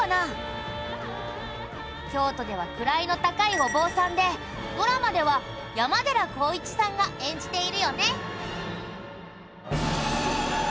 京都では位の高いお坊さんでドラマでは山寺宏一さんが演じているよね。